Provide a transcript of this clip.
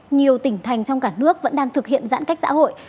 nhiều tỉnh thành trong cả nước vẫn đang thực hiện giãn cách xã hội